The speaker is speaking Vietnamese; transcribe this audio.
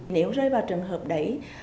nếu rơi vào trường hợp đấy